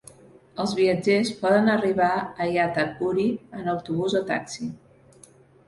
Els viatgers poden arribar a Iataqguri en autobús o taxi.